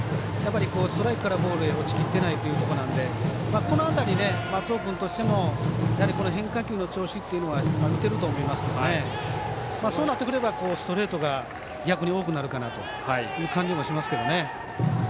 ストライクからボールへ落ちきってないというところでこの辺り、松尾君としても変化球の調子っていうのは今見ていると思いますけどそうなってくればストレートが逆に多くなるかなという感じもしますね。